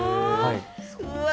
うわ！